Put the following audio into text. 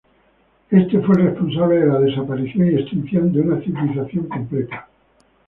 Este fue el responsable de la desaparición y extinción de una civilización completa.